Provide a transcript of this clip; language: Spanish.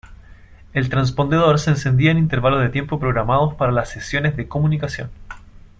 El transpondedor se encendía en intervalos de tiempo programados para las sesiones de comunicación.